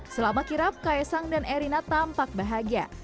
selama kirap kae sang dan erina tampak bahagia